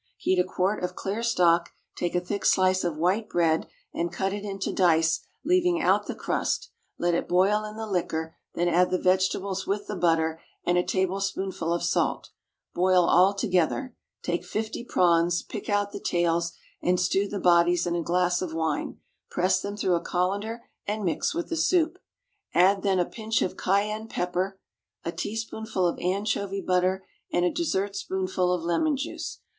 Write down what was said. Heat a quart of clear stock, take a thick slice of white bread and cut it into dice, leaving out the crust, let it boil in the liquor, then add the vegetables with the butter, and a tablespoonful of salt. Boil all together. Take fifty prawns, pick out the tails, and stew the bodies in a glass of wine, press them through a colander and mix with the soup. Add then a pinch of cayenne pepper, a teaspoonful of anchovy butter, and a dessert spoonful of lemon juice.